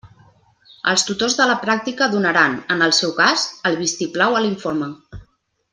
Els tutors de la pràctica donaran, en el seu cas, el vistiplau a l'informe.